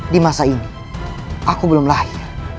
di masa ini aku belum lahir